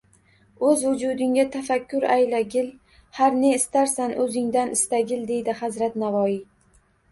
“Oʻz vujudingga tafakkur aylagil, Har ne istarsan, oʻzingdan istagil”, deydi hazrat Navoiy.